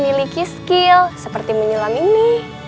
memiliki skill seperti menyelam ini